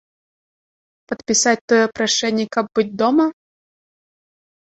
Падпісаць тое прашэнне, каб быць дома?